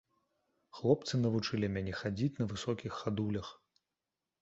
Хлопцы навучылі мяне хадзіць на высокіх хадулях.